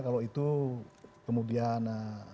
kalau itu kemudian